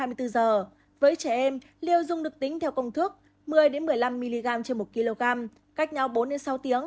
với trẻ em liều dùng được tính theo công thức một mươi một mươi năm mg trên một kg